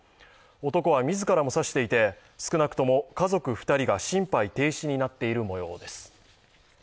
男は自らも刺していて、少なくとも家族２人が心肺停止になっている模様です。